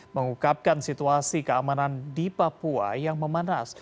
mengukapkan situasi keamanan di papua yang memanas